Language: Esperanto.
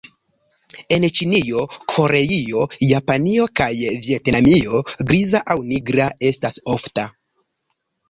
En Ĉinio, Koreio, Japanio kaj Vjetnamio griza aŭ nigra estas ofta.